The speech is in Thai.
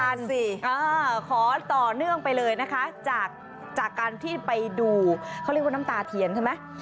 ขอต่อเนื่องไปเลยนะคะจากจากการที่ไปดูเขาเรียกว่าน้ำตาเทียนใช่ไหม